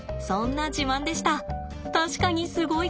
確かにすごいかも。